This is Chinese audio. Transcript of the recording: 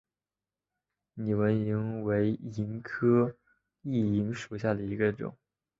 拟纹萤为萤科熠萤属下的一个种。